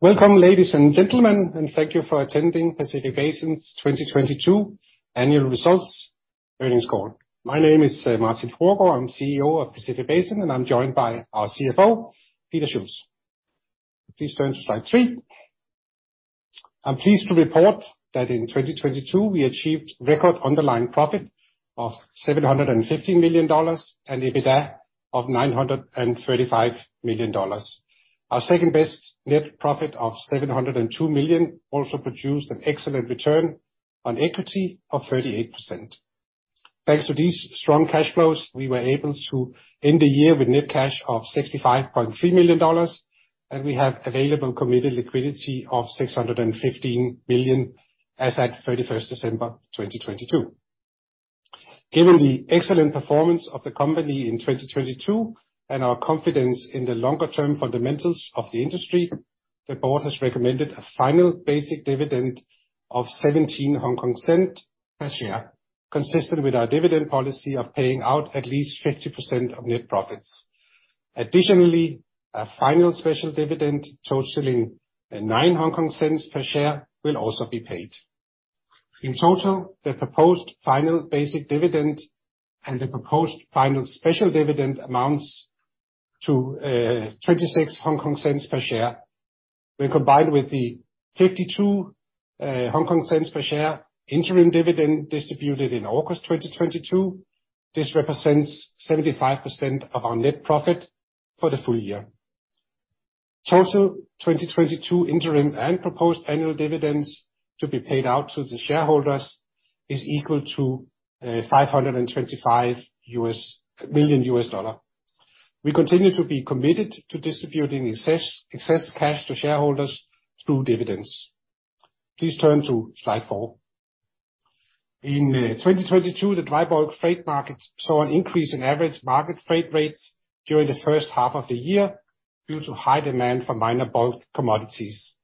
Welcome, ladies and gentlemen, and thank you for attending Pacific Basin's 2022 annual results earnings call. My name is Martin Fruergaard. I'm CEO of Pacific Basin, and I'm joined by our CFO, Peter Schulz. Please turn to slide 3. I'm pleased to report that in 2022, we achieved record underlying profit of $750 million and EBITDA of $935 million. Our second-best net profit of $702 million also produced an excellent Return on Equity of 38%. Thanks to these strong cash flows, we were able to end the year with net cash of $65.3 million, and we have available committed liquidity of $615 billion as at 31st December, 2022. Given the excellent performance of the company in 2022 and our confidence in the longer term fundamentals of the industry, the board has recommended a final basic dividend of 0.17 per share, consistent with our dividend policy of paying out at least 50% of net profits. Additionally, a final special dividend totaling 0.09 per share will also be paid. In total, the proposed final basic dividend and the proposed final special dividend amounts to 0.26 per share. When combined with the 0.52 per share interim dividend distributed in August 2022, this represents 75% of our net profit for the full year. Total 2022 interim and proposed annual dividends to be paid out to the shareholders is equal to $525 million. We continue to be committed to distributing excess cash to shareholders through dividends. Please turn to slide 4. In 2022, the dry bulk freight market saw an increase in average market freight rates during the H1 of the year due to high demand for minor bulk commodities.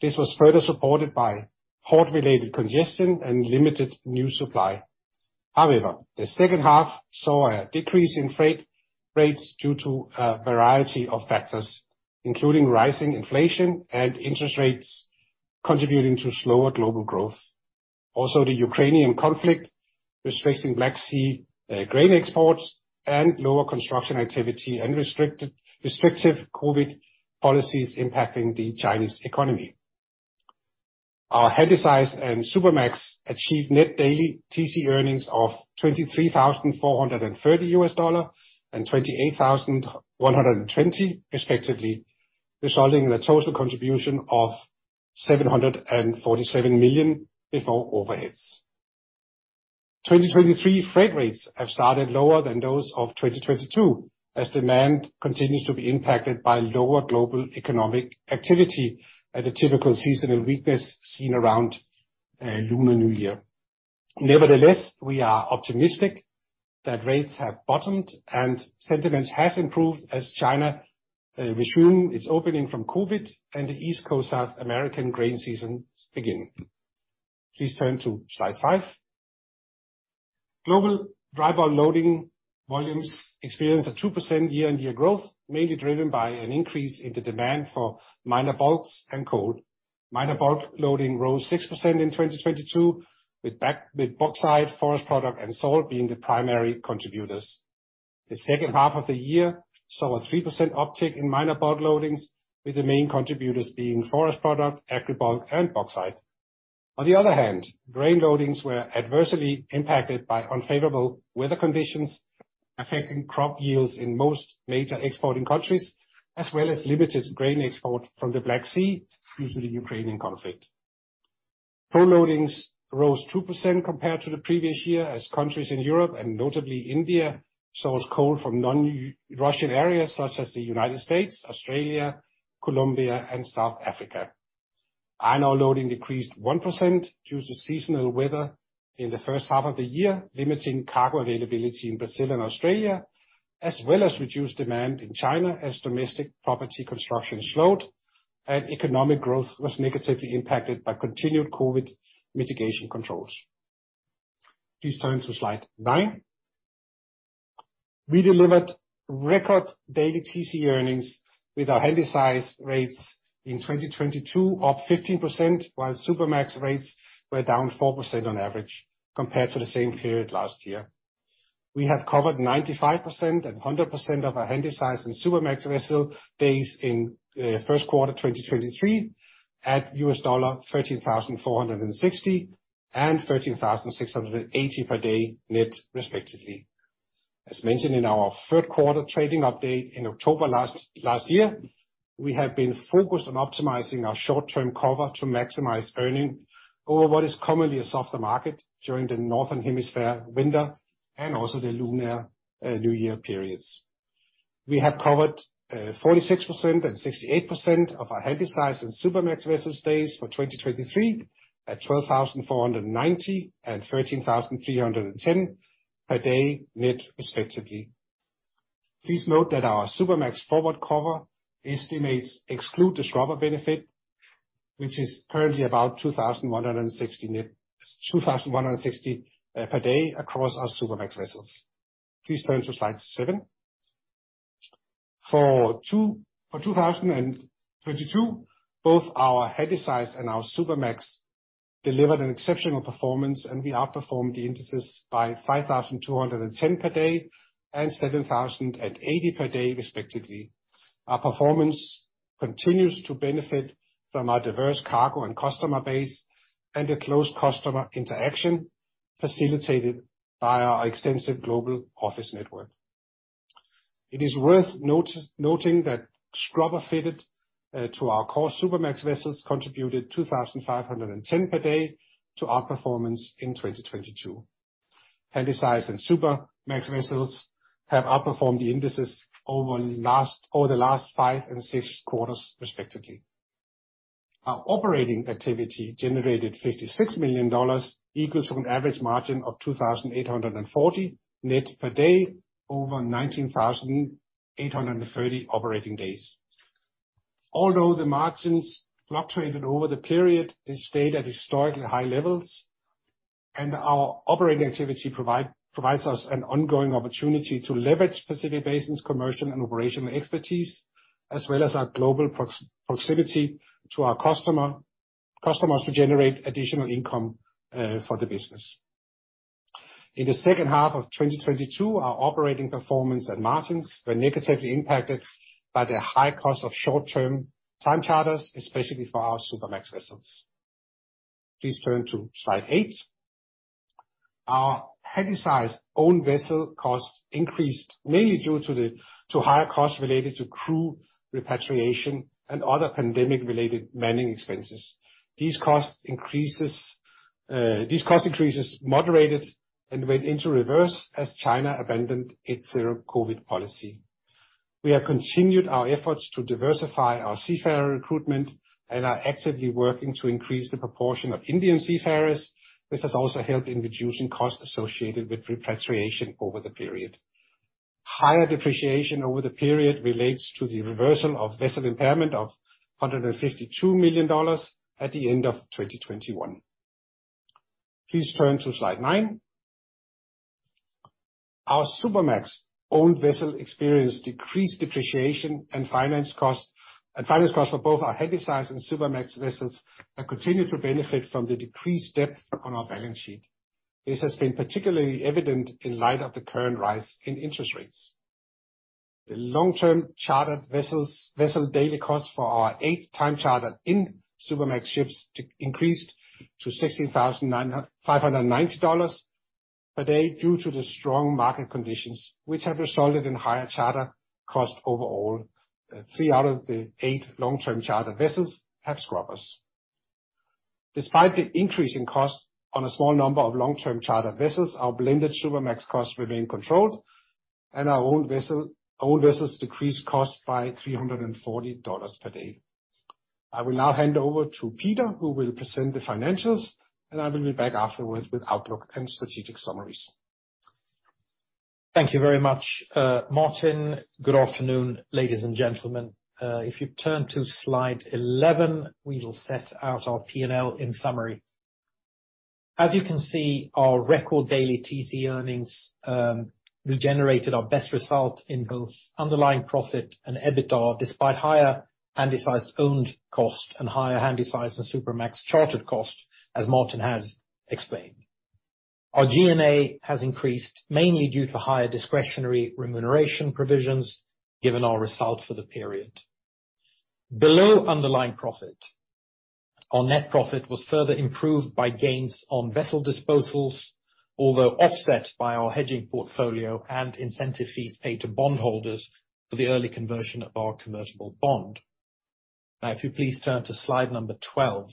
This was further supported by port-related congestion and limited new supply. The H2 saw a decrease in freight rates due to a variety of factors, including rising inflation and interest rates contributing to slower global growth. The Ukrainian conflict restricting Black Sea grain exports and lower construction activity and restrictive COVID policies impacting the Chinese economy. Our Handysize and Supramax achieved net daily TC earnings of $23,430 and $28,120 respectively, resulting in a total contribution of $747 million before overheads. 2023 freight rates have started lower than those of 2022, as demand continues to be impacted by lower global economic activity at the typical seasonal weakness seen around Lunar New Year. Nevertheless, we are optimistic that rates have bottomed and sentiment has improved as China resumed its opening from COVID and the East Coast South American grain seasons begin. Please turn to slide 5. Global dry bulk loading volumes experienced a 2% year-on-year growth, mainly driven by an increase in the demand for minor bulks and coal. Minor bulk loading rose 6% in 2022, with bauxite, forest product and salt being the primary contributors. The H2 of the year saw a 3% uptick in minor bulk loadings, with the main contributors being forest product, agribulk and bauxite. Grain loadings were adversely impacted by unfavorable weather conditions affecting crop yields in most major exporting countries, as well as limited grain export from the Black Sea due to the Ukrainian conflict. Coal loadings rose 2% compared to the previous year, as countries in Europe and notably India, source coal from non-Russian areas such as the United States, Australia, Colombia and South Africa. Iron ore loading decreased 1% due to seasonal weather in the H1 of the year, limiting cargo availability in Brazil and Australia, as well as reduced demand in China as domestic property construction slowed and economic growth was negatively impacted by continued COVID mitigation controls. Please turn to slide nine. We delivered record daily TC earnings with our Handysize rates in 2022, up 15%, while Supramax rates were down 4% on average compared to the same period last year. We have covered 95% and 100% of our Handysize and Supramax vessel days in Q1 2023 at $13,460 and $13,680 per day net respectively. As mentioned in our Q3 trading update in October last year, we have been focused on optimizing our short-term cover to maximize earning over what is commonly a softer market during the Northern Hemisphere winter and also the Lunar New Year periods. We have covered 46% and 68% of our Handysize and Supramax vessel days for 2023 at $12,490 and $13,310 per day net respectively. Please note that our Supramax forward cover estimates exclude the scrubber benefit. Which is currently about $2,160 per day across our Supramax vessels. Please turn to slide seven. For 2022, both our Handysize and our Supramax delivered an exceptional performance, we outperformed the indices by $5,210 per day and $7,080 per day respectively. Our performance continues to benefit from our diverse cargo and customer base and a close customer interaction facilitated by our extensive global office network. It is worth noting that scrubber fitted to our core Supramax vessels contributed $2,510 per day to our performance in 2022. Handysize and Supramax vessels have outperformed the indices over the last five and six quarters respectively. Our operating activity generated $56 million equal to an average margin of $2,840 net per day over 19,830 operating days. Although the margins fluctuated over the period, it stayed at historically high levels, our operating activity provides us an ongoing opportunity to leverage Pacific Basin's commercial and operational expertise as well as our global proximity to our customers who generate additional income for the business. In the H2 of 2022, our operating performance and margins were negatively impacted by the high cost of short-term time charters, especially for our Supramax vessels. Please turn to slide 8. Our Handysize-owned vessel costs increased mainly due to higher costs related to crew repatriation and other pandemic-related manning expenses. These cost increases moderated and went into reverse as China abandoned its zero-COVID policy. We have continued our efforts to diversify our seafarer recruitment and are actively working to increase the proportion of Indian seafarers. This has also helped in reducing costs associated with repatriation over the period. Higher depreciation over the period relates to the reversal of vessel impairment of $152 million at the end of 2021. Please turn to slide 9. Our Supramax-owned vessel experienced decreased depreciation and finance cost, and finance costs for both our Handysize and Supramax vessels have continued to benefit from the decreased debt on our balance sheet. This has been particularly evident in light of the current rise in interest rates. The long-term chartered vessel daily costs for our eighth time charter in Supramax ships increased to $16,590 per day due to the strong market conditions, which have resulted in higher charter cost overall. Three out of the eight long-term charter vessels have scrubbers. Despite the increase in cost on a small number of long-term charter vessels, our blended Supramax costs remain controlled, and our owned vessels decreased costs by $340 per day. I will now hand over to Peter, who will present the financials, and I will be back afterwards with outlook and strategic summaries. Thank you very much, Martin. Good afternoon, ladies and gentlemen. If you turn to slide 11, we will set out our P&L in summary. As you can see, our record daily TC earnings, we generated our best result in both underlying profit and EBITDA despite higher Handysize-owned cost and higher Handysize and Supramax chartered cost, as Martin has explained. Our G&A has increased mainly due to higher discretionary remuneration provisions given our result for the period. Below underlying profit, our net profit was further improved by gains on vessel disposals, although offset by our hedging portfolio and incentive fees paid to bondholders for the early conversion of our convertible bond. If you please turn to slide number 12.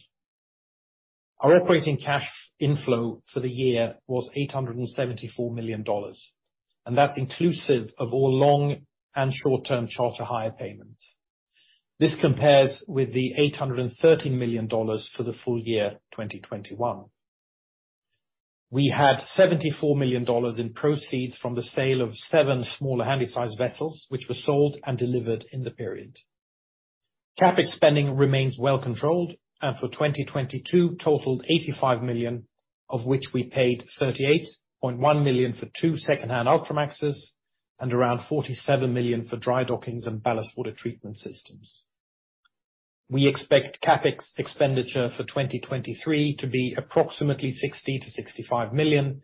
Our operating cash inflow for the year was $874 million, that's inclusive of all long and short-term charter hire payments. This compares with the $830 million for the full year 2021. We had $74 million in proceeds from the sale of 7 smaller Handysize vessels, which were sold and delivered in the period. CapEx spending remains well controlled, and for 2022 totaled $85 million, of which we paid $38.1 million for 2 secondhand Ultramax and around $47 million for dry dockings and ballast water treatment systems. We expect CapEx expenditure for 2023 to be approximately $60 million to $65 million,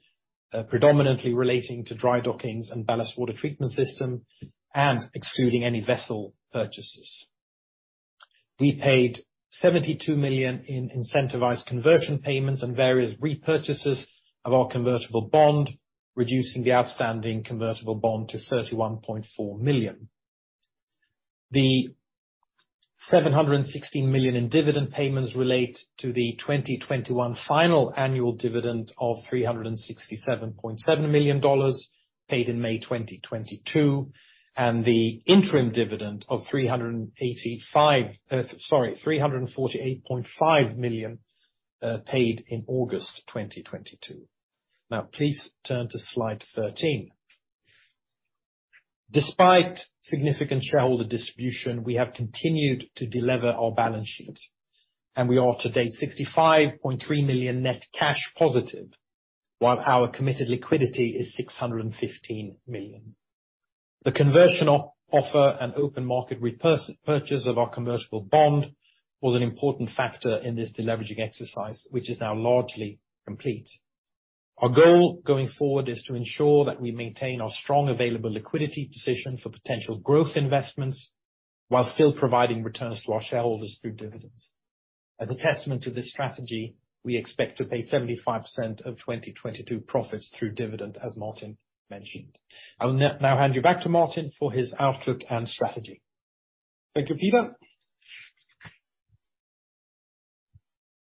predominantly relating to dry dockings and ballast water treatment system and excluding any vessel purchases. We paid $72 million in incentivized conversion payments and various repurchases of our convertible bond, reducing the outstanding convertible bond to $31.4 million. The $716 million in dividend payments relate to the 2021 final annual dividend of $367.7 million paid in May 2022 and the interim dividend of $348.5 million paid in August 2022. Now please turn to slide 13. Despite significant shareholder distribution, we have continued to delever our balance sheet, and we are to date $65.3 million net cash positive, while our committed liquidity is $615 million. The conversion offer and open market repurchase of our convertible bond was an important factor in this deleveraging exercise, which is now largely complete. Our goal going forward is to ensure that we maintain our strong available liquidity position for potential growth investments while still providing returns to our shareholders through dividends. As a testament to this strategy, we expect to pay 75% of 2022 profits through dividend, as Martin mentioned. I will now hand you back to Martin for his outlook and strategy. Thank you, Peter.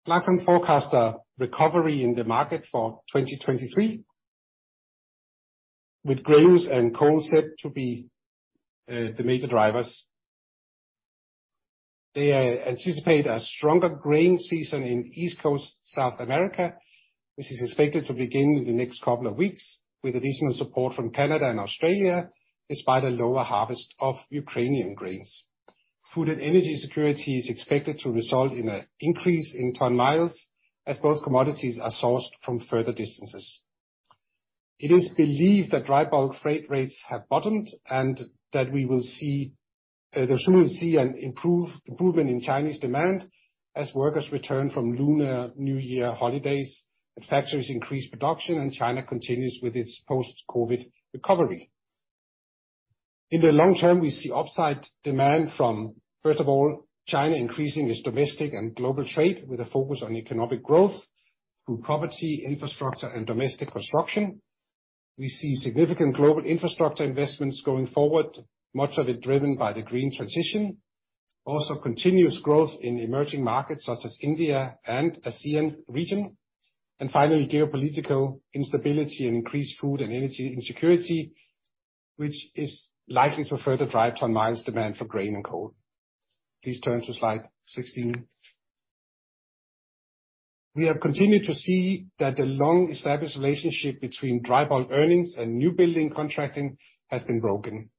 Clarksons forecast a recovery in the market for 2023, with grains and coal set to be the major drivers. They anticipate a stronger grain season in East Coast South America, which is expected to begin in the next couple of weeks, with additional support from Canada and Australia, despite a lower harvest of Ukrainian grains. Food and energy security is expected to result in an increase in ton-miles as both commodities are sourced from further distances. It is believed that dry bulk freight rates have bottomed and that soon we'll see an improvement in Chinese demand as workers return from Lunar New Year holidays and factories increase production and China continues with its post-COVID recovery. In the long term, we see upside demand from, first of all, China increasing its domestic and global trade with a focus on economic growth through property, infrastructure, and domestic construction. We see significant global infrastructure investments going forward, much of it driven by the green transition. Continuous growth in emerging markets such as India and ASEAN region. Finally, geopolitical instability and increased food and energy insecurity, which is likely to further drive ton-miles demand for grain and coal. Please turn to slide 16. We have continued to see that the long-established relationship between dry bulk earnings and new building contracting has been broken.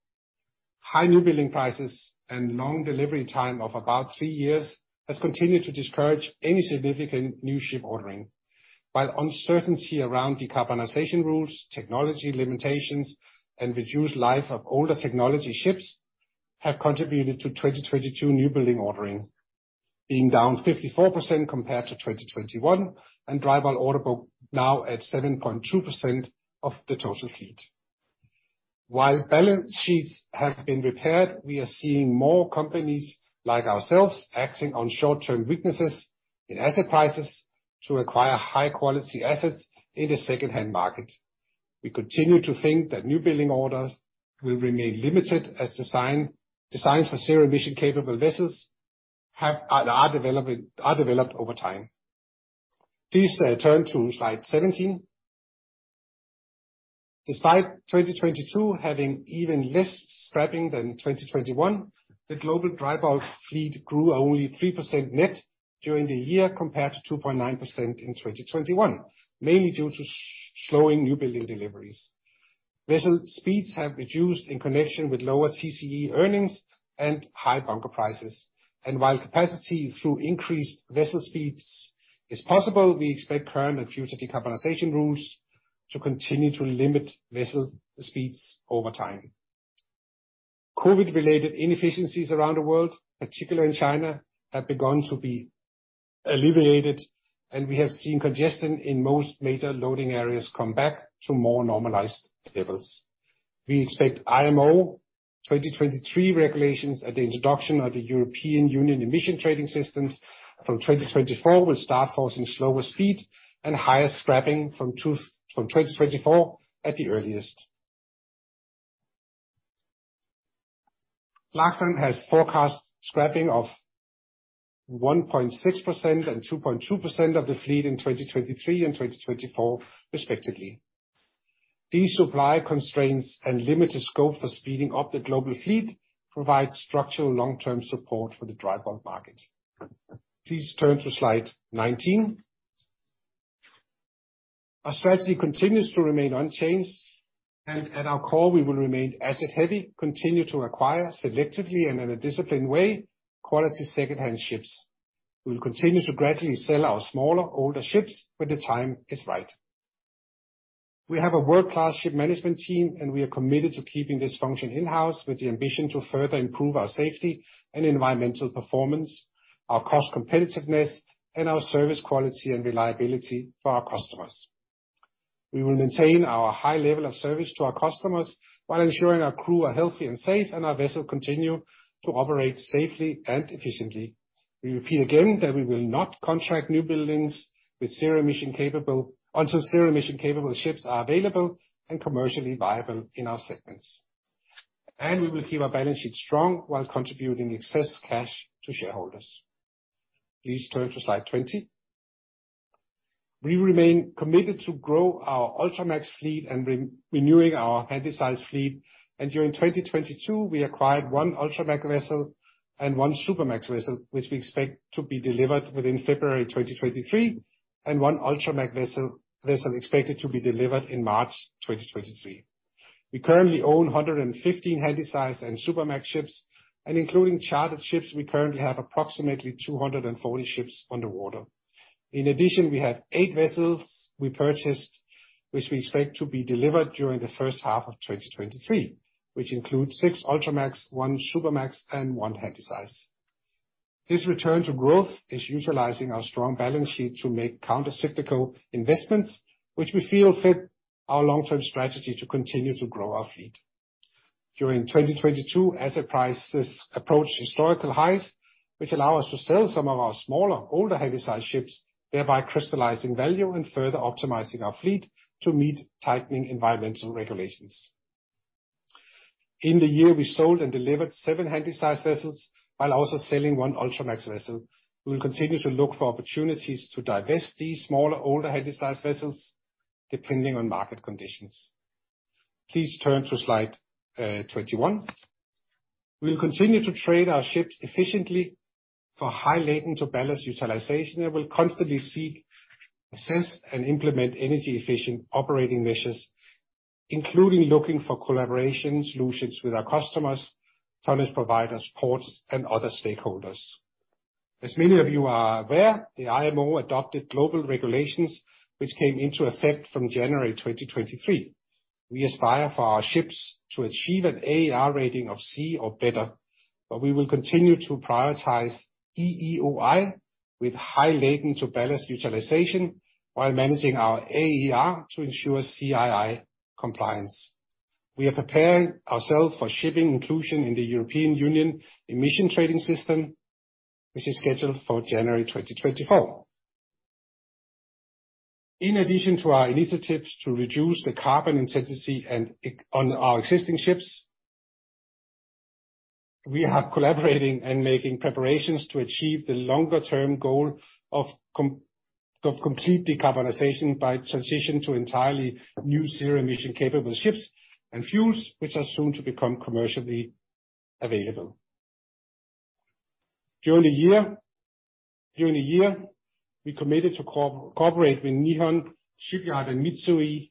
High new building prices and long delivery time of about three years has continued to discourage any significant new ship ordering. While uncertainty around decarbonization rules, technology limitations, and reduced life of older technology ships have contributed to 2022 new building ordering being down 54% compared to 2021, and dry bulk order book now at 7.2% of the total fleet. While balance sheets have been repaired, we are seeing more companies like ourselves acting on short-term weaknesses in asset prices to acquire high-quality assets in the second-hand market. We continue to think that new building orders will remain limited as designs for zero emission capable vessels are developed over time. Please turn to slide 17. Despite 2022 having even less scrapping than 2021, the global dry bulk fleet grew only 3% net during the year compared to 2.9% in 2021, mainly due to slowing new building deliveries. Vessel speeds have reduced in connection with lower TCE earnings and high bunker prices. While capacity through increased vessel speeds is possible, we expect current and future decarbonization rules to continue to limit vessel speeds over time. COVID-related inefficiencies around the world, particularly in China, have begun to be alleviated, and we have seen congestion in most major loading areas come back to more normalized levels. We expect IMO 2023 regulations at the introduction of the European Union Emissions Trading System from 2024 will start forcing slower speed and higher scrapping from 2024 at the earliest. Clarksons has forecast scrapping of 1.6% and 2.2% of the fleet in 2023 and 2024 respectively. These supply constraints and limited scope for speeding up the global fleet provides structural long-term support for the dry bulk market. Please turn to slide 19. Our strategy continues to remain unchanged. At our core, we will remain asset heavy, continue to acquire selectively and in a disciplined way, quality second-hand ships. We'll continue to gradually sell our smaller, older ships when the time is right. We have a world-class ship management team, and we are committed to keeping this function in-house with the ambition to further improve our safety and environmental performance, our cost competitiveness, and our service quality and reliability for our customers. We will maintain our high level of service to our customers while ensuring our crew are healthy and safe, and our vessels continue to operate safely and efficiently. We repeat again that we will not contract new buildings with zero emission capable, until zero emission capable ships are available and commercially viable in our segments. We will keep our balance sheet strong while contributing excess cash to shareholders. Please turn to slide 20. We remain committed to grow our Ultramax fleet and renewing our Handysize fleet. During 2022, we acquired one Ultramax vessel and one Supramax vessel, which we expect to be delivered within February 2023, and one Ultramax vessel expected to be delivered in March 2023. We currently own 115 Handysize and Supramax ships, and including chartered ships, we currently have approximately 240 ships on the water. In addition, we have eight vessels we purchased, which we expect to be delivered during the H1 of 2023, which includes six Ultramax, one Supramax, and one Handysize. This return to growth is utilizing our strong balance sheet to make counter cyclical investments, which we feel fit our long-term strategy to continue to grow our fleet. During 2022, as the prices approached historical highs, which allow us to sell some of our smaller, older Handysize ships, thereby crystallizing value and further optimizing our fleet to meet tightening environmental regulations. In the year, we sold and delivered seven Handysize vessels while also selling one Ultramax vessel. We will continue to look for opportunities to divest these smaller, older Handysize vessels depending on market conditions. Please turn to slide 21. We'll continue to trade our ships efficiently for high laden to ballast utilization, and we'll constantly seek, assess, and implement energy efficient operating measures, including looking for collaboration solutions with our customers, tonnage providers, ports, and other stakeholders. As many of you are aware, the IMO adopted global regulations, which came into effect from January 2023. We aspire for our ships to achieve an AER rating of C or better, but we will continue to prioritize EEOI with high laden to ballast utilization while managing our AER to ensure CII compliance. We are preparing ourselves for shipping inclusion in the European Union Emissions Trading System, which is scheduled for January 2024. In addition to our initiatives to reduce the carbon intensity on our existing ships, we are collaborating and making preparations to achieve the longer-term goal of complete decarbonization by transition to entirely new zero-emission capable ships and fuels, which are soon to become commercially available. During the year, we committed to cooperate with Nihon Shipyard and Mitsui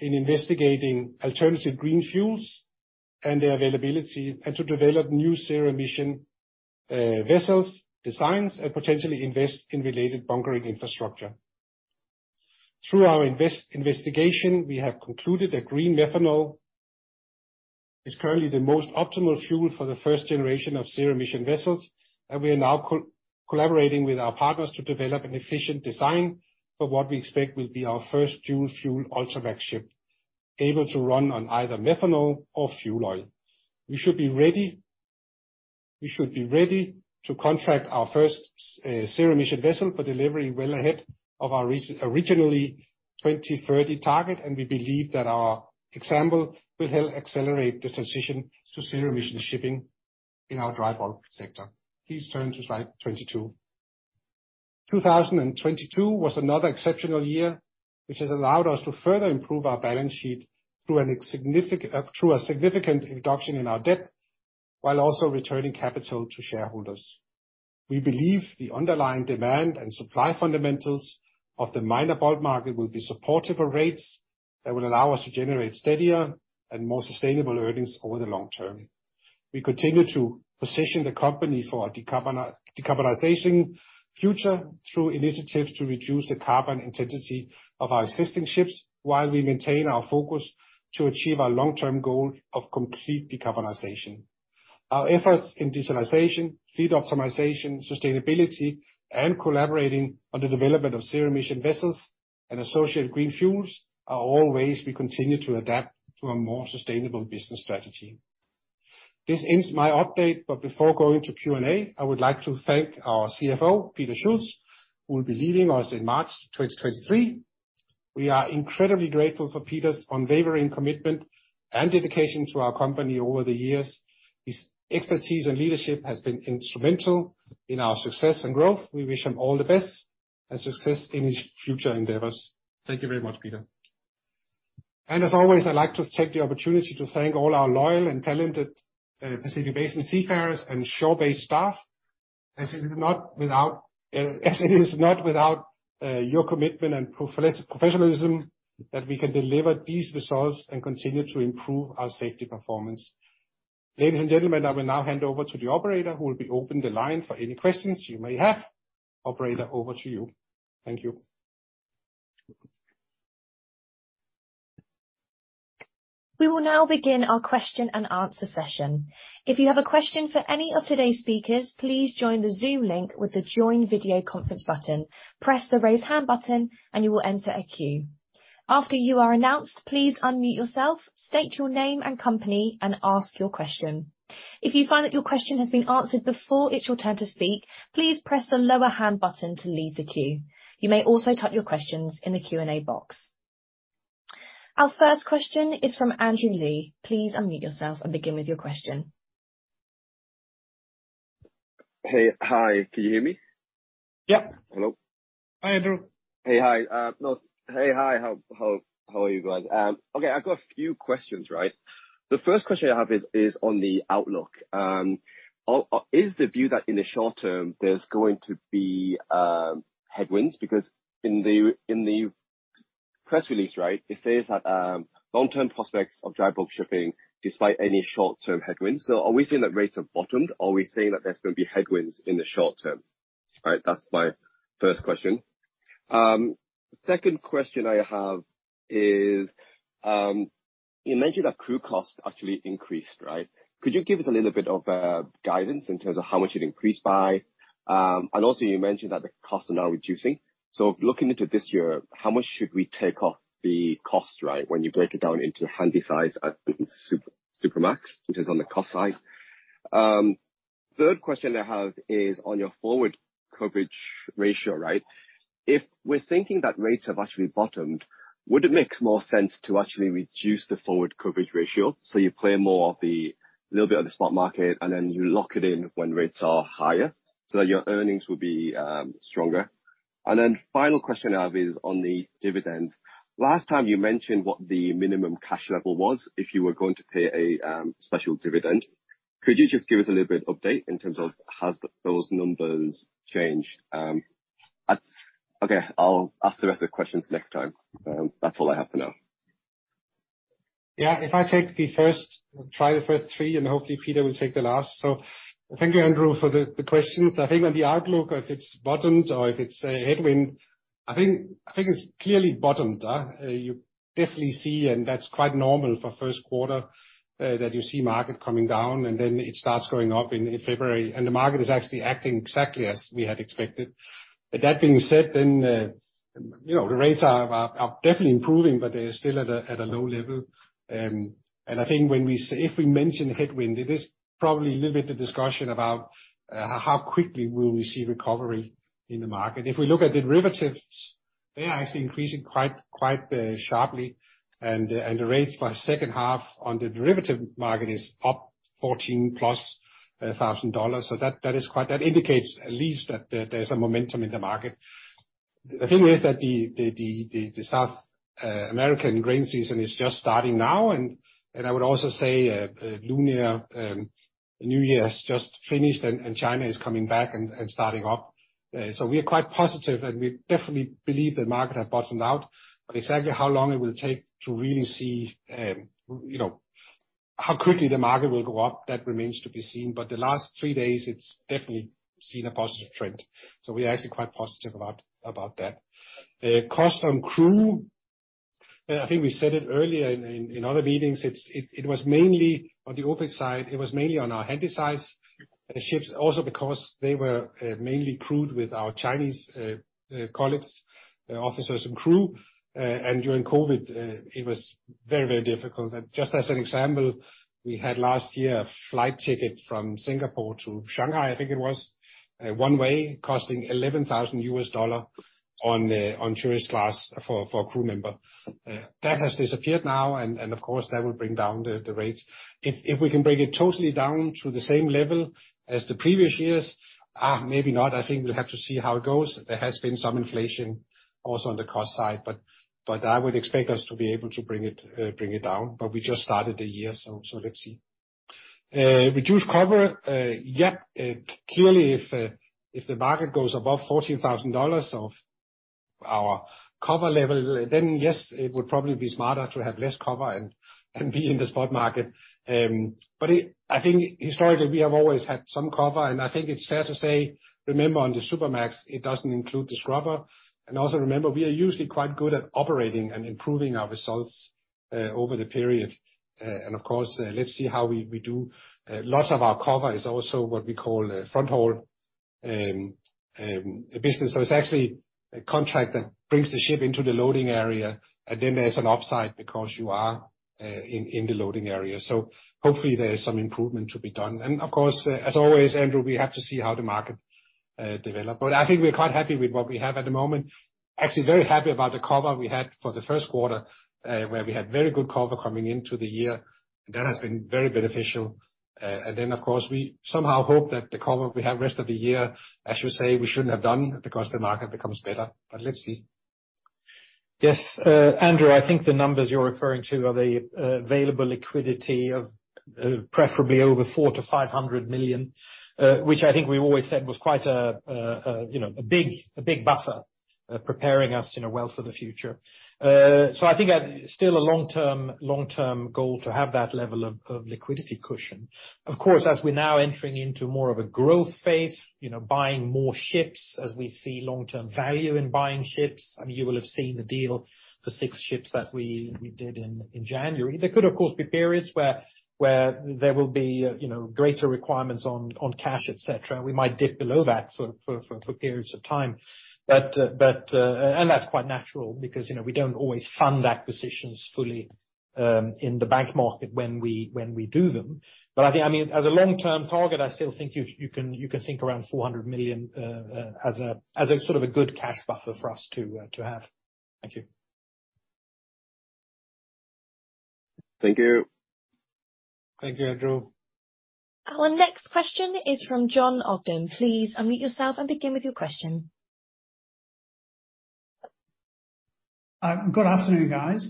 in investigating alternative green fuels and their availability and to develop new zero-emission vessel designs and potentially invest in related bunkering infrastructure. Through our investigation, we have concluded that green methanol is currently the most optimal fuel for the first generation of zero-emission vessels, we are now collaborating with our partners to develop an efficient design for what we expect will be our first dual-fuel Ultramax ship, able to run on either methanol or fuel oil. We should be ready to contract our first zero-emission vessel for delivery well ahead of our originally 2030 target. We believe that our example will help accelerate the transition to zero-emission shipping in our dry bulk sector. Please turn to slide 22. 2022 was another exceptional year, which has allowed us to further improve our balance sheet through a significant reduction in our debt, while also returning capital to shareholders. We believe the underlying demand and supply fundamentals of the minor bulk market will be supportive of rates that will allow us to generate steadier and more sustainable earnings over the long term. We continue to position the company for a decarbonization future through initiatives to reduce the carbon intensity of our existing ships while we maintain our focus to achieve our long-term goal of complete decarbonization. Our efforts in digitalization, fleet optimization, sustainability, and collaborating on the development of zero-emission vessels and associated green fuels are all ways we continue to adapt to a more sustainable business strategy. This ends my update. Before going to Q&A, I would like to thank our CFO, Peter Schulz, who will be leaving us in March 2023. We are incredibly grateful for Peter's unwavering commitment and dedication to our company over the years. His expertise and leadership has been instrumental in our success and growth. We wish him all the best and success in his future endeavors. Thank you very much, Peter. As always, I'd like to take the opportunity to thank all our loyal and talented Pacific Basin seafarers and shore-based staff, as it is not without your commitment and professionalism that we can deliver these results and continue to improve our safety performance. Ladies and gentlemen, I will now hand over to the operator who will be open the line for any questions you may have. Operator, over to you. Thank you. We will now begin our question and answer session. If you have a question for any of today's speakers, please join the Zoom link with the Join Video Conference button. Press the Raise Hand button, and you will enter a queue. After you are announced, please unmute yourself, state your name and company, and ask your question. If you find that your question has been answered before it's your turn to speak, please press the Lower Hand button to leave the queue. You may also type your questions in the Q&A box. Our first question is from Andrew Lee. Please unmute yourself and begin with your question. Hey. Hi. Can you hear me? Yep. Hello. Hi, Andrew. Hey. Hi. no. Hey. Hi. How are you guys? Okay. I've got a few questions, right? The first question I have is on the outlook. Is the view that in the short term there's going to be headwinds, because in the press release, right, it says that long-term prospects of dry bulk shipping despite any short-term headwinds. Are we saying that rates have bottomed? Are we saying that there's gonna be headwinds in the short term? All right, that's my first question. Second question I have is, you mentioned that crew costs actually increased, right? Could you give us a little bit of guidance in terms of how much it increased by? Also you mentioned that the costs are now reducing. Looking into this year, how much should we take off the cost, right, when you break it down into Handysize at Supramax, in terms on the cost side? Third question I have is on your forward coverage ratio, right? If we're thinking that rates have actually bottomed, would it make more sense to actually reduce the forward coverage ratio so you play more of the little bit of the spot market, and then you lock it in when rates are higher, so that your earnings will be stronger? Final question I have is on the dividend. Last time you mentioned what the minimum cash level was, if you were going to pay a special dividend. Could you just give us a little bit update in terms of have those numbers changed? I'll ask the rest of the questions next time. That's all I have for now. Try the first three. Hopefully Peter will take the last. Thank you, Andrew, for the questions. I think on the outlook, if it's bottomed or if it's a headwind, I think it's clearly bottomed, you definitely see and that's quite normal for Q1, that you see market coming down, then it starts going up in February. The market is actually acting exactly as we had expected. That being said, then, you know, the rates are definitely improving, but they're still at a low level. I think when we if we mention headwind, it is probably a little bit of discussion about how quickly will we see recovery in the market. If we look at derivatives, they are actually increasing quite sharply, and the rates for H2 on the derivative market is up $14+ thousand. That is quite. That indicates at least that there's a momentum in the market. The thing is that the South American grain season is just starting now, and I would also say Lunar New Year has just finished and China is coming back and starting up. We are quite positive, and we definitely believe the market has bottomed out. Exactly how long it will take to really see, you know, how quickly the market will go up, that remains to be seen. The last three days, it's definitely seen a positive trend, we're actually quite positive about that. llowing but I would expect us to be able to bring it down. We just started the year, so let's see. Reduce cover, clearly if the market goes above $14,000 of our cover level, then yes, it would probably be smarter to have less cover and be in the spot market. I think historically we have always had some cover. I think it's fair to say, remember on the Supramax, it doesn't include the scrubber. Also remember, we are usually quite good at operating and improving our results over the period. Of course, let's see how we do. Lots of our cover is also what we call a fronthaul business. It's actually a contract that brings the ship into the loading area, and then there's an upside because you are in the loading area. Hopefully there is some improvement to be done. Of course, as always, Andrew, we have to see how the market develop. I think we're quite happy with what we have at the moment. Actually, very happy about the cover we had for the Q1, where we had very good cover coming into the year. That has been very beneficial. Then of course, we somehow hope that the cover we have rest of the year, I should say we shouldn't have done because the market becomes better, but let's see. Yes. Andrew, I think the numbers you're referring to are the available liquidity of preferably over $400 million to $500 million, which I think we've always said was quite a, you know, a big buffer preparing us, you know, well for the future. I think that still a long-term goal to have that level of liquidity cushion. Of course, as we're now entering into more of a growth phase, you know, buying more ships as we see long-term value in buying ships, I mean, you will have seen the deal for six ships that we did in January. There could of course be periods where there will be, you know, greater requirements on cash, et cetera. We might dip below that for periods of time. That's quite natural because, you know, we don't always fund acquisitions fully, in the bank market when we do them. I think, I mean, as a long-term target, I still think you can think around $400 million as a sort of a good cash buffer for us to have. Thank you. Thank you. Thank you, Andrew. Our next question is from Jon Ogden. Please unmute yourself and begin with your question. Good afternoon, guys.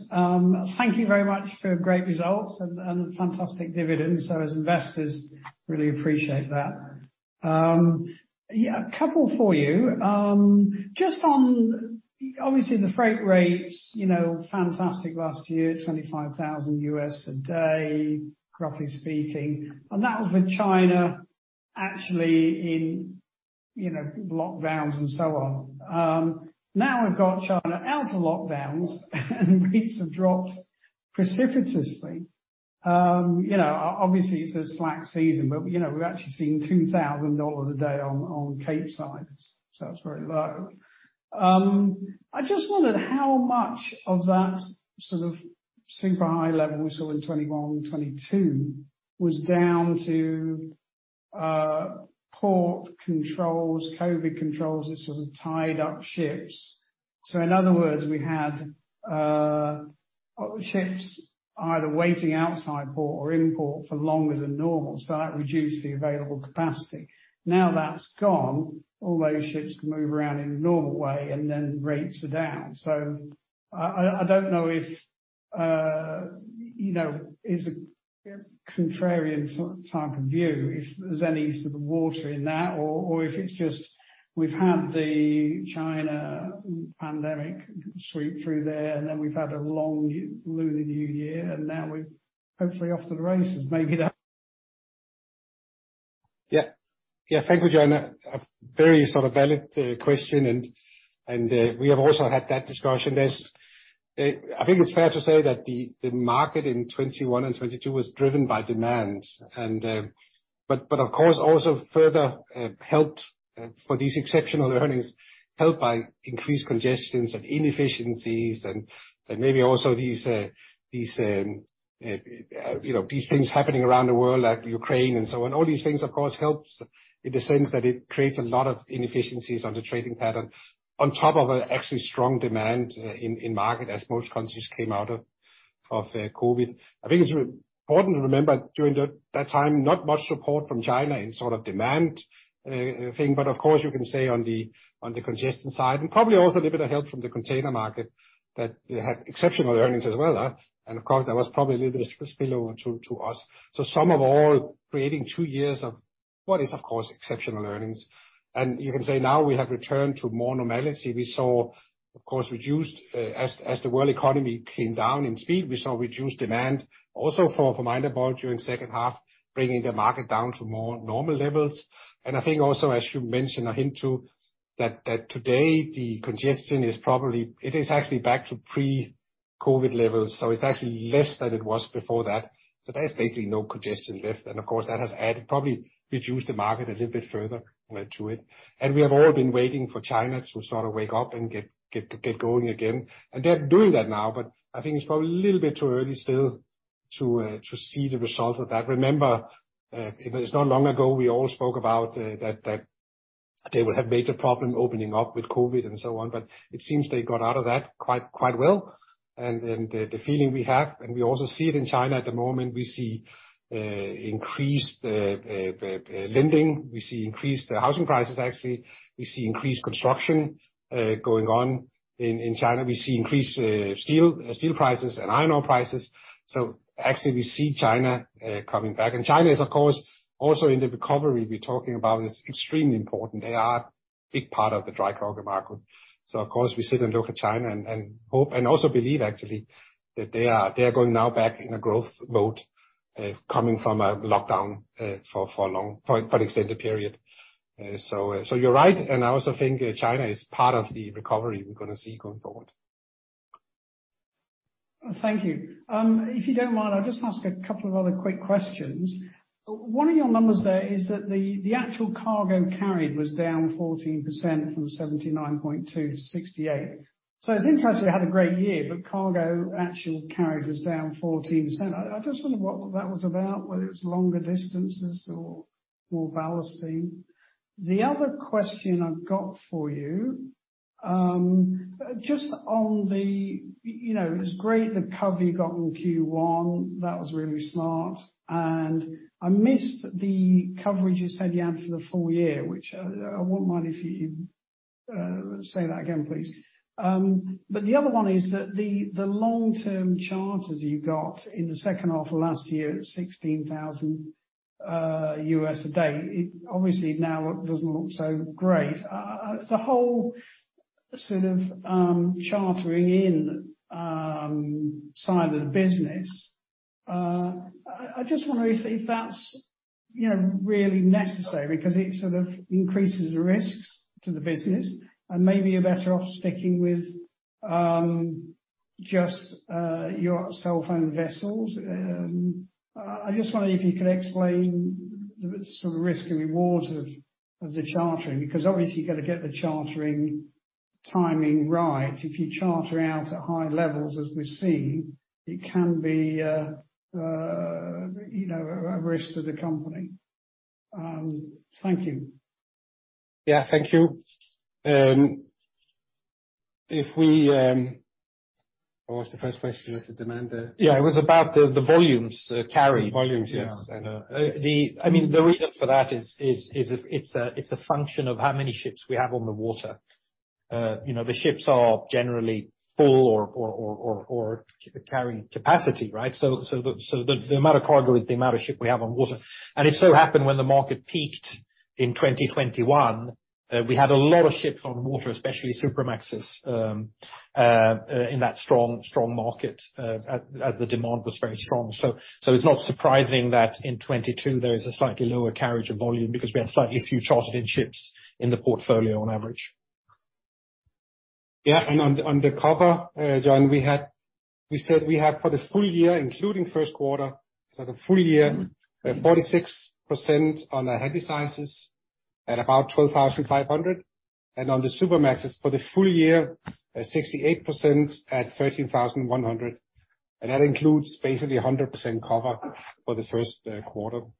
Thank you very much for great results and fantastic dividends. As investors really appreciate that. Yeah, a couple for you. Just on obviously the freight rates, you know, fantastic last year, $25,000 a day, roughly speaking, and that was with China actually in, you know, lockdowns and so on. Now we've got China out of lockdowns, and rates have dropped precipitously. You know, obviously, it's a slack season, but, you know, we've actually seen $2,000 a day on Capesize, so that's very low. I just wondered how much of that sort of super high level we saw in 2021 and 2022 was down to port controls, COVID controls that sort of tied up ships. In other words, we had ships either waiting outside port or in port for longer than normal, so that reduced the available capacity. That's gone, all those ships can move around in a normal way, and then rates are down. I don't know if, you know, is a contrarian sort of type of view, if there's any sort of water in that or if it's just we've had the China pandemic sweep through there and then we've had a long Lunar New Year, and now we're hopefully off to the races, maybe that. Yeah. Yeah. Thank you, Jon. A very sort of valid question and we have also had that discussion. There's I think it's fair to say that the market in 2021 and 2022 was driven by demand and, but of course, also further helped for these exceptional earnings, helped by increased congestions and inefficiencies and maybe also these, you know, these things happening around the world like Ukraine and so on. All these things, of course, helps in the sense that it creates a lot of inefficiencies on the trading pattern on top of a actually strong demand in market as most countries came out of COVID. I think it's important to remember during that time, not much support from China in sort of demand thing. Of course, you can say on the, on the congestion side, and probably also a little bit of help from the container market that they had exceptional earnings as well, and of course, that was probably a little bit of spillover to us. Sum of all, creating 2 years of what is, of course, exceptional earnings. You can say now we have returned to more normality. We saw, of course, reduced, as the world economy came down in speed, we saw reduced demand also for minor bulk during H2, bringing the market down to more normal levels. I think also, as you mentioned or hint to, that today the congestion is probably, it is actually back to pre-COVID levels, so it's actually less than it was before that. There's basically no congestion left. Of course, that has added, probably reduced the market a little bit further to it. We have all been waiting for China to sort of wake up and get going again. They're doing that now, but I think it's probably a little bit too early still to see the results of that. Remember, it's not long ago we all spoke about that they would have major problem opening up with COVID and so on, but it seems they got out of that quite well. The feeling we have, and we also see it in China at the moment, we see increased lending, we see increased housing prices actually, we see increased construction going on in China. We see increased steel prices and iron ore prices. Actually, we see China coming back. China is, of course, also in the recovery we're talking about is extremely important. They are a big part of the dry cargo market. Of course, we sit and look at China and hope and also believe actually that they are going now back in a growth mode, coming from a lockdown for a long, for extended period. You're right. I also think China is part of the recovery we're gonna see going forward. Thank you. If you don't mind, I'll just ask a couple of other quick questions. One of your numbers there is that the actual cargo carried was down 14% from 79.2 to 68. It's interesting you had a great year, but cargo actual carried was down 14%. I just wonder what that was about, whether it's longer distances or ballasting. The other question I've got for you, just on the, you know, it's great the cover you got in Q1. That was really smart. I missed the coverage you said you had for the full year, which, I wouldn't mind if you, say that again, please. The other one is that the long-term charters you got in the H2 of last year at 16,000 US a day, it obviously now doesn't look so great. The whole sort of chartering in side of the business, I just wonder if that's, you know, really necessary because it sort of increases the risks to the business and maybe you're better off sticking with just your self-owned vessels. I just wonder if you could explain the sort of risk and reward of the chartering, because obviously you've got to get the chartering timing right. If you charter out at high levels, as we've seen, it can be, you know, a risk to the company. Thank you. Yeah. Thank you. If we, What was the first question? Was it demand? Yeah, it was about the volumes, carried. Volumes, yes. I mean, the reason for that is it's a function of how many ships we have on the water. you know, the ships are generally full or carry capacity, right? The amount of cargo is the amount of ship we have on water. It so happened when the market peaked in 2021, we had a lot of ships on water, especially Supramaxes, in that strong market, as the demand was very strong. It's not surprising that in 2022 there is a slightly lower carriage of volume because we had slightly few chartered-in ships in the portfolio on average. Yeah. on the cover, Jon, we said we had, for the full year, including Q1, so the full year- Mm-hmm we have 46% on the Handysize at about $12,500. On the Supramaxes for the full year, 68% at $13,100. That includes basically 100% cover for the Q1.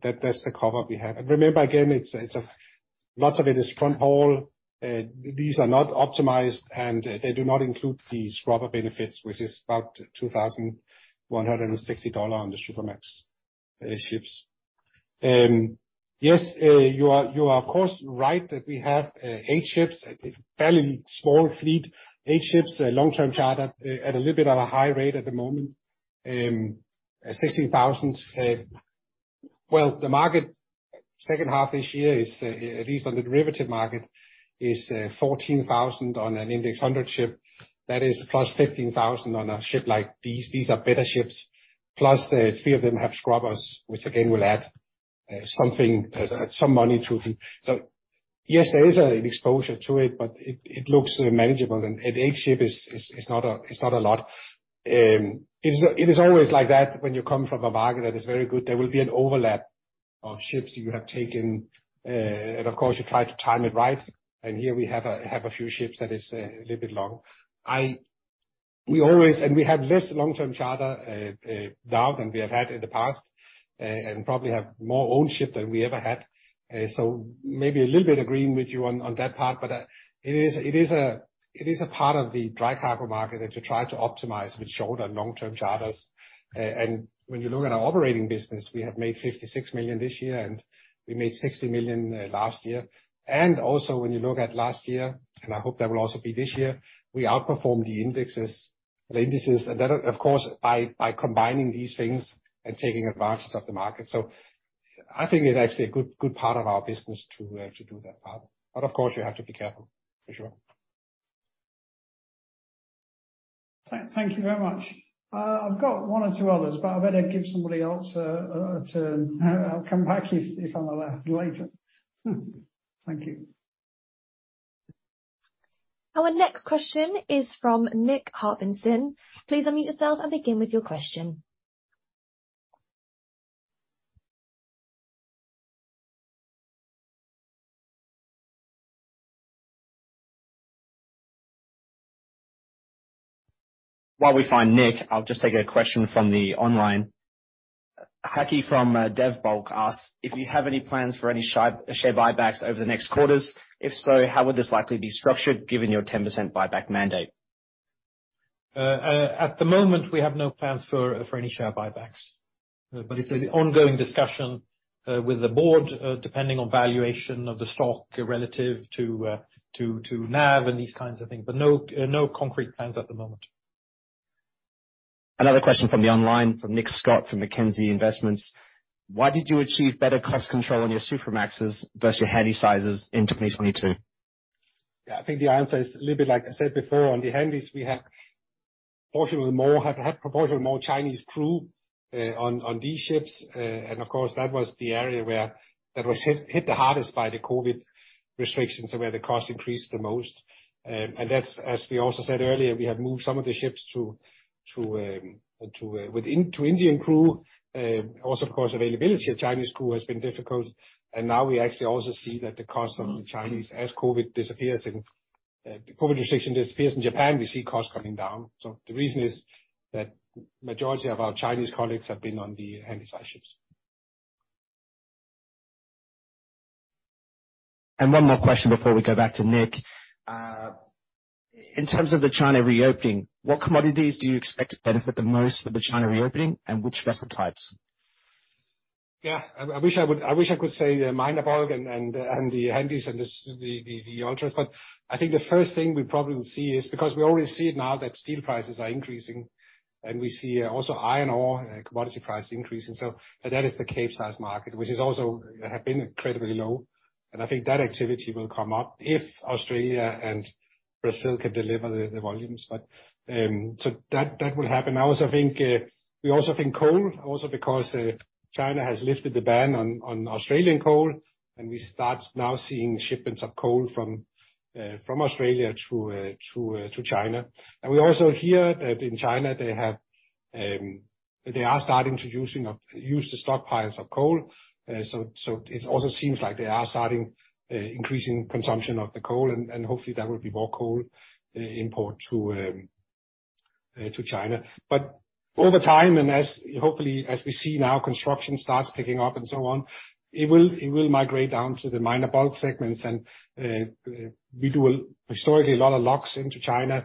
That's the cover we have. Remember, again, it's a lots of it is fronthaul. These are not optimized, and they do not include the scrubber benefits, which is about $2,160 on the Supramax ships. Yes, you are of course right that we have 8 ships, a fairly small fleet. 8 ships, long-term charter at a little bit of a high rate at the moment. $16,000. Well, the market H2 this year is, at least on the derivative market, is $14,000 on an Index Handysize ship. That is +$15,000 on a ship like these. These are better ships. Plus, three of them have scrubbers, which again will add something, some money to the... Yes, there is an exposure to it, but it looks manageable. Eight ship is not a lot. It is always like that when you come from a market that is very good. There will be an overlap of ships you have taken. Of course you try to time it right. Here we have a few ships that is a little bit long. We always... We have less long-term charter now than we have had in the past, and probably have more own ship than we ever had. So maybe a little bit agreeing with you on that part, but, it is a part of the dry cargo market that you try to optimize with shorter and long-term charters. When you look at our operating business, we have made $56 million this year, and we made $60 million last year. Also when you look at last year, and I hope that will also be this year, we outperformed the indexes, the indices. That of course by combining these things and taking advantage of the market. I think it's actually a good part of our business to do that part. Of course you have to be careful, for sure. Thank you very much. I've got one or two others, but I better give somebody else a turn. I'll come back if I'm allowed later. Thank you. Our next question is from Nick Harvinson. Please unmute yourself and begin with your question. While we find Nick, I'll just take a question from the online. Haki from DNB Bank asks if you have any plans for any share buybacks over the next quarters. If so, how would this likely be structured given your 10% buyback mandate? At the moment, we have no plans for any share buybacks. It's an ongoing discussion with the board, depending on valuation of the stock relative to NAV and these kinds of things. No, no concrete plans at the moment. Another question from the online from Nick Scott from Mackenzie Investments. Why did you achieve better cost control on your Supramaxes versus your Handysizes in 2022? I think the answer is a little bit like I said before. On the Handys we have fortunately more, have proportionally more Chinese crew on these ships. Of course that was the area where that was hit the hardest by the COVID restrictions and where the costs increased the most. That's, as we also said earlier, we have moved some of the ships to Indian crew. Of course, availability of Chinese crew has been difficult. Now we actually also see that the cost of the Chinese as COVID disappears in the COVID restriction disappears in Japan, we see costs coming down. The reason is that majority of our Chinese colleagues have been on the Handysize ships. One more question before we go back to Nick. In terms of the China reopening, what commodities do you expect to benefit the most with the China reopening and which vessel types? I wish I would, I wish I could say the minor bulk and the Handys and the Ultras. I think the first thing we probably will see is, because we already see it now, that steel prices are increasing, and we see also iron ore commodity prices increasing. That is the Capesize market, which is also, have been incredibly low. I think that activity will come up if Australia and Brazil can deliver the volumes. So that will happen. I also think, we also think coal also because China has lifted the ban on Australian coal, and we start now seeing shipments of coal from Australia to China. We also hear that in China they have, they are starting to use the stockpiles of coal. So it also seems like they are starting increasing consumption of the coal and hopefully there will be more coal import to China. Over time, and as, hopefully, as we see now, construction starts picking up and so on, it will migrate down to the minor bulk segments. We do historically a lot of logs into China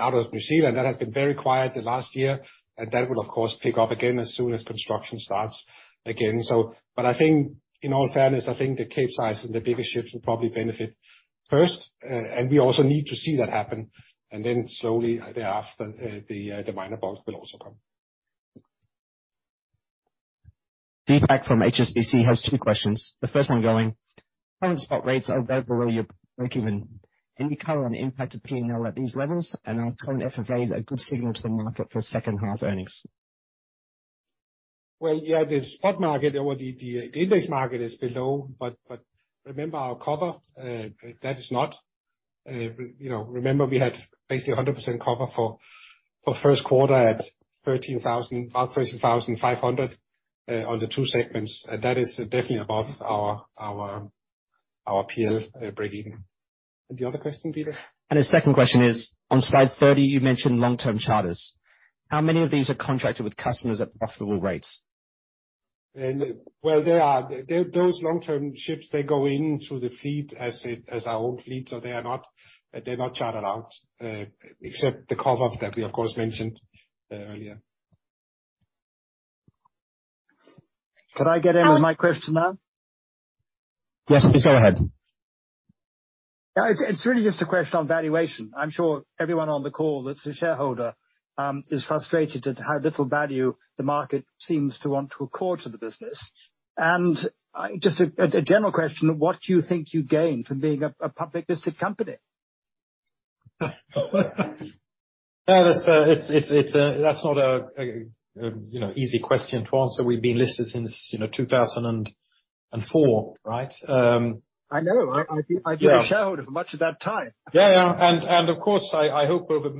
out of New Zealand. That has been very quiet the last year. That will of course pick up again as soon as construction starts again, so. I think in all fairness, I think the Capesize and the bigger ships will probably benefit first. We also need to see that happen. Slowly thereafter, the minor bulk will also come. Deepak from HSBC has two questions. The first one going, "Current spot rates are well below your breakeven. Any color on the impact to P&L at these levels and are current FFAs a good signal to the market for H2 earnings? Yeah, the spot market or the index market is below. Remember our cover, that is not. You know, remember we had basically 100% cover for Q1 at 13,000, about 13,500 on the two segments. That is definitely above our PL breakeven. The other question, Peter? The second question is, on slide 30, you mentioned long-term charters. How many of these are contracted with customers at profitable rates? well, Those long-term ships, they go into the fleet as our own fleet. They are not, they're not chartered out, except the cover that we, of course, mentioned earlier. Could I get in with my question now? Yes, please go ahead. It's really just a question on valuation. I'm sure everyone on the call that's a shareholder is frustrated at how little value the market seems to want to accord to the business. Just a general question, what do you think you gain from being a public listed company? That's not a, you know, easy question to answer. We've been listed since, you know, 2004, right? I know. I've been... Yeah. I've been a shareholder for much of that time. Of course, I hope over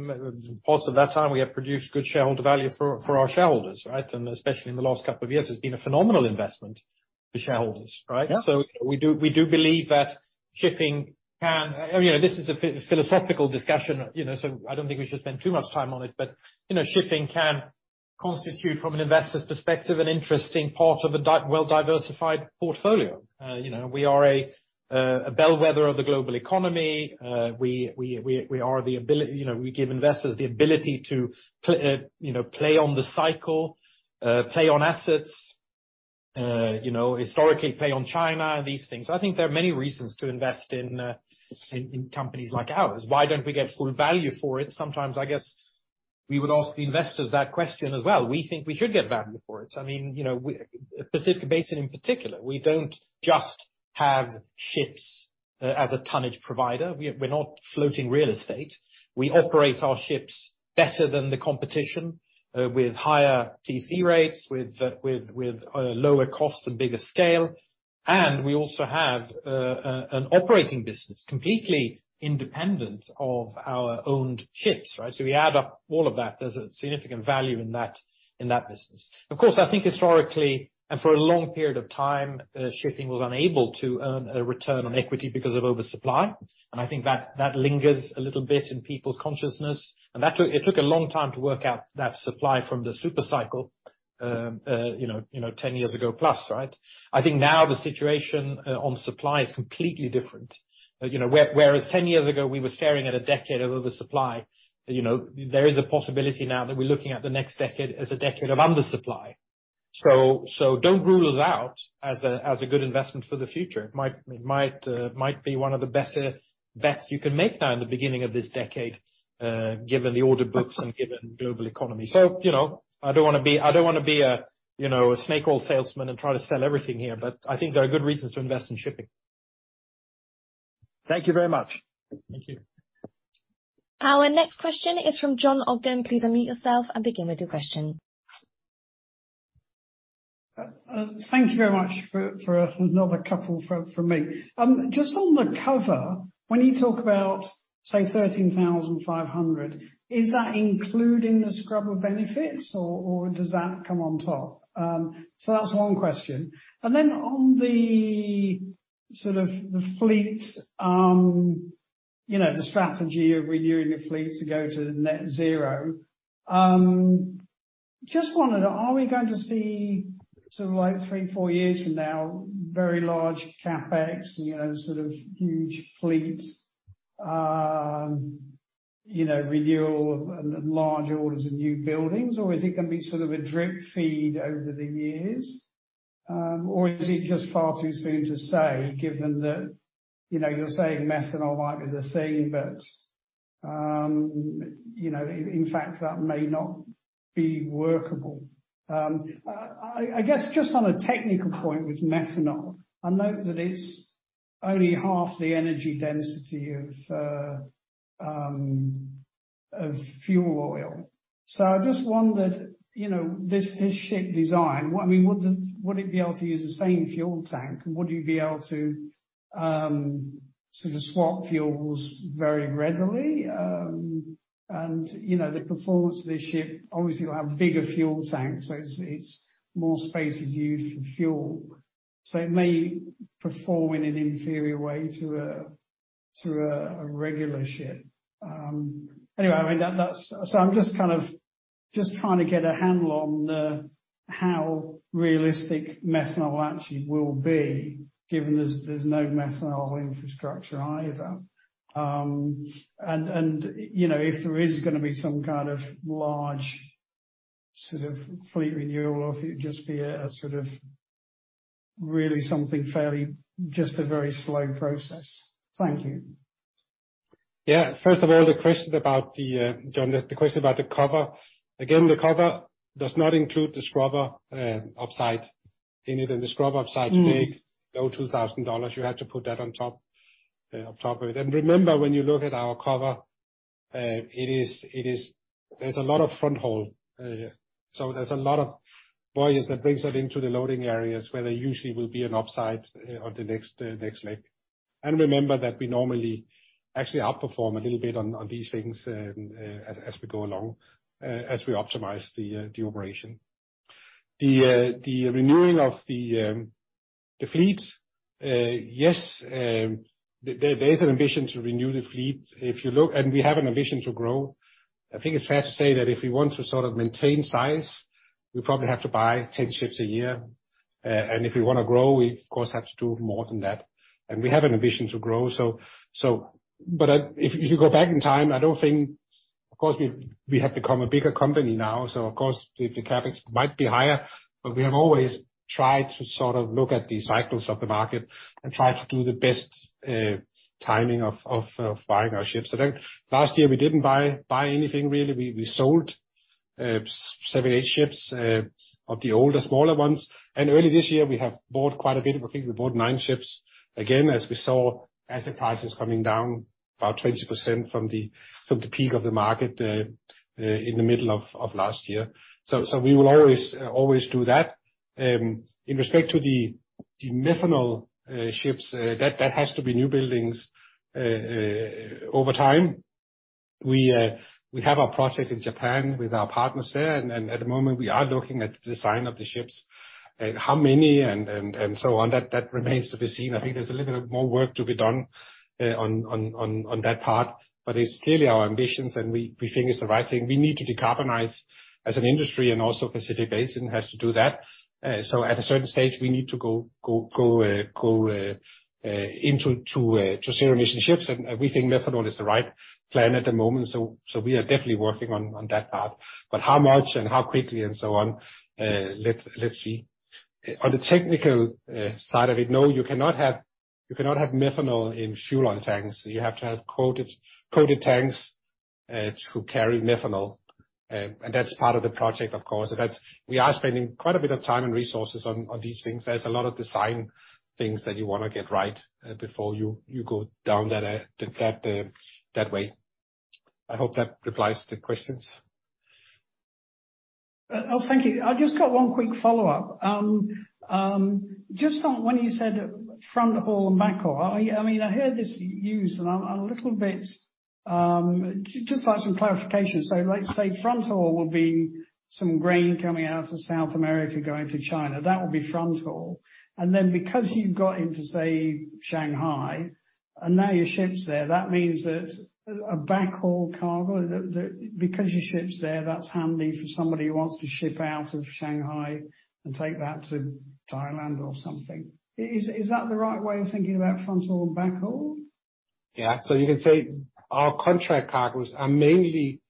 parts of that time, we have produced good shareholder value for our shareholders, right? Especially in the last couple of years, it's been a phenomenal investment for shareholders, right? Yeah. We do believe that shipping can. You know, this is a philosophical discussion, you know, I don't think we should spend too much time on it. You know, shipping can constitute, from an investor's perspective, an interesting part of a well-diversified portfolio. You know, we are a bellwether of the global economy. You know, we give investors the ability to play, you know, play on the cycle, play on assets, you know, historically play on China and these things. I think there are many reasons to invest in companies like ours. Why don't we get full value for it? Sometimes I guess we would ask the investors that question as well. We think we should get value for it. I mean, you know, Pacific Basin in particular, we don't just have ships as a tonnage provider. We're not floating real estate. We operate our ships better than the competition, with higher TC rates, with lower cost and bigger scale. We also have an operating business completely independent of our owned ships, right? We add up all of that. There's a significant value in that, in that business. Of course, I think historically and for a long period of time, shipping was unable to earn a Return on Equity because of oversupply. I think that lingers a little bit in people's consciousness. That took, it took a long time to work out that supply from the super cycle, you know, 10 years ago+, right? I think now the situation on supply is completely different. You know, whereas 10 years ago, we were staring at a decade of oversupply, you know, there is a possibility now that we're looking at the next decade as a decade of undersupply. Don't rule us out as a, as a good investment for the future. It might be one of the better bets you can make now in the beginning of this decade, given the order books and given global economy. You know, I don't wanna be a, you know, a snake oil salesman and try to sell everything here, but I think there are good reasons to invest in shipping. Thank you very much. Thank you. Our next question is from Jon Ogden. Please unmute yourself and begin with your question. Thank you very much for another couple from me. Just on the cover, when you talk about, say, $13,500, is that including the scrubber benefits or does that come on top? That's one question. On the sort of the fleet, you know, the strategy of renewing the fleet to go to net zero, just wondered, are we going to see sort of like 3, 4 years from now, very large CapEx, you know, sort of huge fleet, renewal and large orders of new buildings, or is it gonna be sort of a drip feed over the years? Is it just far too soon to say, given that, you know, you're saying methanol might be the thing, but, you know, in fact, that may not be workable. I guess just on a technical point with methanol, I know that it's only half the energy density of fuel oil. I just wondered, you know, this ship design, I mean, would it be able to use the same fuel tank? Would you be able to sort of swap fuels very readily? You know, the performance of this ship, obviously it'll have bigger fuel tanks, so it's more space is used for fuel. It may perform in an inferior way to a regular ship. Anyway, I mean, that's... I'm just kind of trying to get a handle on the, how realistic methanol actually will be, given there's no methanol infrastructure either. You know, if there is going to be some kind of large sort of fleet renewal or if it would just be a sort of really something fairly, just a very slow process. Thank you. Yeah. First of all, the question about the Jon, the question about the cover. Again, the cover does not include the scrubber upside. The scrubber upside. Mm. -go $2,000. You have to put that on top, on top of it. Remember, when you look at our cover, it is, it is. There's a lot of fronthaul. So there's a lot of voyages that brings that into the loading areas where there usually will be an upside, on the next leg. Remember that we normally actually outperform a little bit on these things, as we go along, as we optimize the operation. The renewing of the fleet, yes, there is an ambition to renew the fleet. If you look. We have an ambition to grow. I think it's fair to say that if we want to sort of maintain size, we probably have to buy 10 ships a year. If we wanna grow, we of course have to do more than that. We have an ambition to grow. If you go back in time, I don't think. Of course, we have become a bigger company now, so of course the CapEx might be higher, but we have always tried to sort of look at the cycles of the market and try to do the best timing of buying our ships. Last year we didn't buy anything really. We sold seven, eight ships of the older, smaller ones. Early this year we have bought quite a bit. I think we bought 9 ships, again, as we saw asset prices coming down about 20% from the peak of the market in the middle of last year. We will always do that. In respect to the methanol ships, that has to be new buildings over time. We have our project in Japan with our partners there, and at the moment we are looking at the design of the ships. How many and so on, that remains to be seen. I think there's a little bit of more work to be done on that part. It's clearly our ambitions, and we think it's the right thing. We need to decarbonize as an industry, and also Pacific Basin has to do that. At a certain stage we need to go into zero-emission ships. We think methanol is the right plan at the moment. We are definitely working on that part. How much and how quickly and so on, let's see. On the technical side of it, no, you cannot have methanol in fuel oil tanks. You have to have coated tanks to carry methanol. That's part of the project, of course. We are spending quite a bit of time and resources on these things. There's a lot of design things that you wanna get right before you go down that way. I hope that replies the questions. Thank you. I've just got one quick follow-up. Just on when you said fronthaul and backhaul, I mean, I heard this used, and I'm a little bit. Just like some clarification. Let's say fronthaul would be some grain coming out of South America going to China. That would be fronthaul. Because you've got into, say, Shanghai, and now your ship's there, that means that a backhaul cargo, the Because your ship's there, that's handy for somebody who wants to ship out of Shanghai and take that to Thailand or something. Is that the right way of thinking about fronthaul and backhaul? Yeah. You can say our contract cargoes are mainly.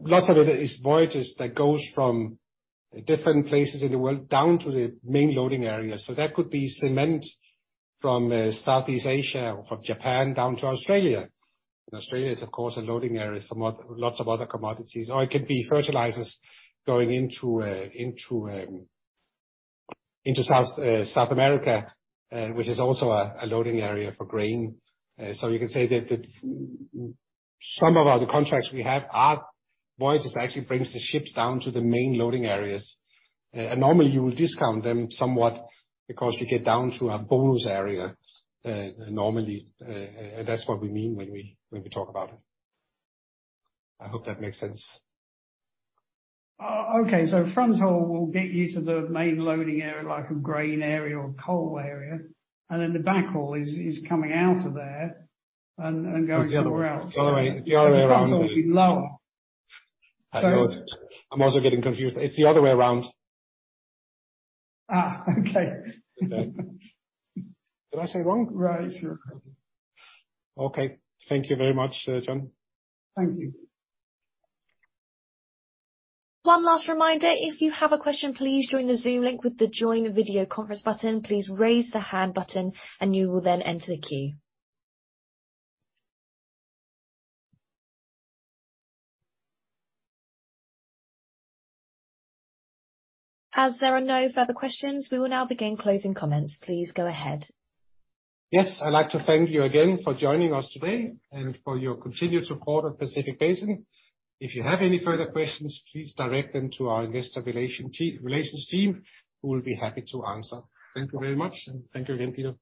Lots of it is voyages that goes from different places in the world down to the main loading areas. That could be cement from Southeast Asia or from Japan down to Australia. Australia is of course a loading area for lots of other commodities. It could be fertilizers going into South America, which is also a loading area for grain. You can say that some of the contracts we have are voyages that actually brings the ships down to the main loading areas. Normally you will discount them somewhat because you get down to a bonus area, normally. That's what we mean when we talk about it. I hope that makes sense. Okay, fronthaul will get you to the main loading area, like a grain area or coal area, and then the back haul is coming out of there and going somewhere else. It's the other way. It's the other way around. The fronthaul would be lower. I know. I'm also getting confused. It's the other way around. Okay. Okay. Did I say it wrong? Right. Sure. Okay. Thank you very much, John. Thank you. One last reminder. If you have a question, please join the Zoom link with the Join Video Conference button. Please raise the Hand button, and you will then enter the queue. As there are no further questions, we will now begin closing comments. Please go ahead. Yes. I'd like to thank you again for joining us today and for your continued support of Pacific Basin. If you have any further questions, please direct them to our investor relations team, who will be happy to answer. Thank you very much, and thank you again, Peter.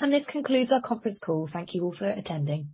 This concludes our conference call. Thank you all for attending.